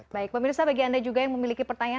baik pak mirza bagi anda juga yang memiliki pertanyaan